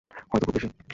হয়তো খুব বেশি।